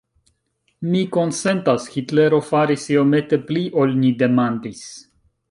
Mi konsentas: Hitlero faris iomete pli, ol ni demandis.